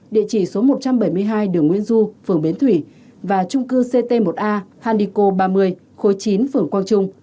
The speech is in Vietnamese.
địa chỉ số một trăm bảy mươi hai đường nguyễn du phường bến thủy và trung cư ct một a handico ba mươi khối chín phường quang trung